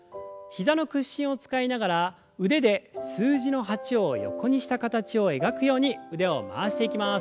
膝の屈伸を使いながら腕で数字の８を横にした形を描くように腕を回していきます。